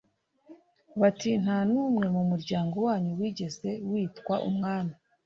bati nta n umwe mu muryango wanyu wigeze witwa umwami